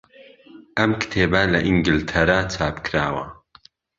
ئەم کتێبە لە ئینگلتەرا چاپکراوە.